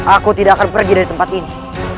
aku tidak akan pergi dari tempat ini